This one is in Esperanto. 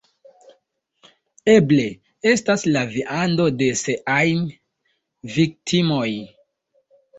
Eble, estas la viando de siaj viktimoj